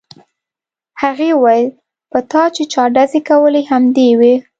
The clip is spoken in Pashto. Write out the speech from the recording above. هغې وویل په تا چې چا ډزې کولې همدی و